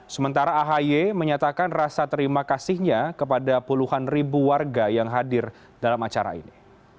sementara ahy menyatakan rasa terima kasihnya kepada puluhan ribu warga yang hadir dalam acara ini